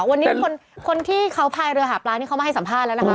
วันนี้คนที่เขาพายเรือหาปลานี่เขามาให้สัมภาษณ์แล้วนะคะ